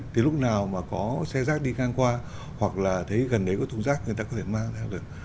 thì lúc nào mà có xe rác đi ngang qua hoặc là thấy gần đấy có thùng rác người ta có thể mang ra